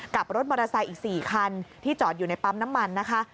กับรถมอเตอร์ไซค์อีก๔คันที่จอดอยู่ในปั๊มน้ำมันนะคะ